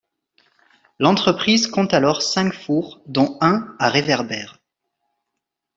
L'entreprise compte alors cinq fours dont un à réverbère.